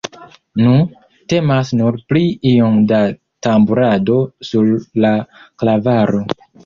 Nu, temas nur pri iom da tamburado sur la klavaro.